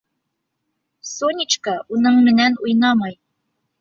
Сонечка уның менән уйнамай.